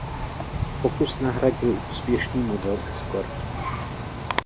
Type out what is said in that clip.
Focus nahradil úspěšný model Escort.